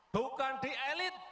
bukan di elit tapi di akar rumput